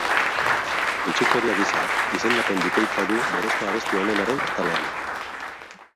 Bitxikeria gisa, izendapen bikoitza du berezko abesti onenaren atalean.